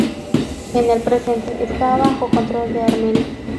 En el presente, está bajo control de Armenia.